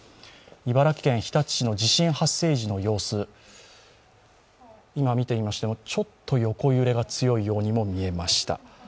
茨城県日立市の地震発生時の様子、今見てみましてもちょっと横揺れが強いようにも見えました。